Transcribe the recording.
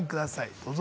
どうぞ。